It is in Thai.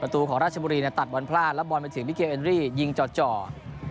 ตูของราชบุรีตัดบอลพลาดแล้วบอลไปถึงมิเกลเอ็นรี่ยิงจ่อ